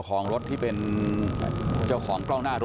ตรงนี้นิตยาไก่ย่างคลองสอง